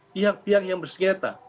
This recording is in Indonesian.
pihak pihak yang bersikerta